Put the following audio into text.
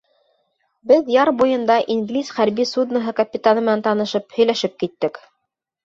Беҙ яр буйында инглиз хәрби судноһы капитаны менән танышып, һөйләшеп киттек.